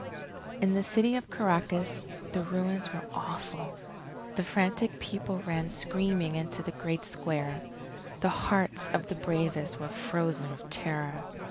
In the City of Caracas, the ruins were awful. The frantic people ran screaming into the great square. The hearts of the bravest were frozen with terror.